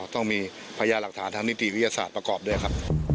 ต้องมีพยาหลักฐานทางนิติวิทยาศาสตร์ประกอบด้วยครับ